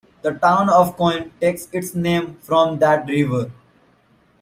The town of Coen takes its name from that river.